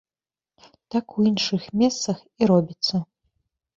Так у іншых месцах і робіцца.